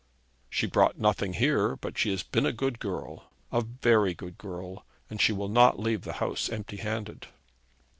She brought nothing here, but she has been a good girl, a very good girl, and she will not leave the house empty handed.'